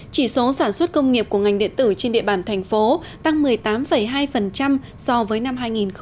chỉ số sản xuất công nghiệp của ngành điện tử trên địa bàn thành phố tăng một mươi tám hai so với năm hai nghìn một mươi bảy